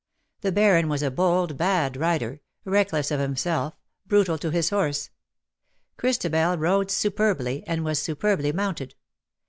The Baron was a bold, bad rider — reckless of himself, brutal to his horse. Christabel rode superbly, and was superbly mounted.